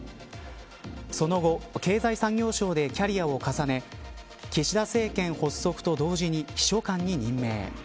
その後、経済産業省でキャリアを重ね岸田政権発足と同時に秘書官に任命。